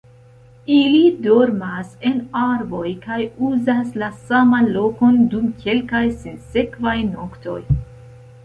Ili dormas en arboj kaj uzas la saman lokon dum kelkaj sinsekvaj noktoj.